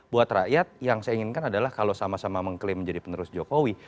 buat rakyat yang saya inginkan adalah kalau sama sama mengklaim menjadi penerus jokowi